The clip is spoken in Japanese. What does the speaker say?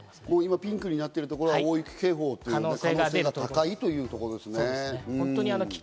ピンクになっているところは大雪警報の可能性が高いということですね。